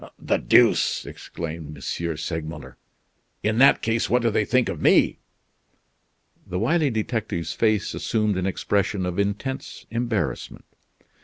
"The deuce!" exclaimed M. Segmuller; "in that case, what do they think of me?" The wily detective's face assumed an expression of intense embarrassment.